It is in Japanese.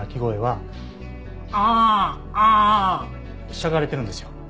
しゃがれているんですよ。